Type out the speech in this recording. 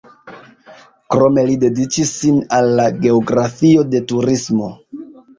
Krome li dediĉis sin al la geografio de turismo.